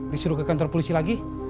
disuruh ke kantor polisi lagi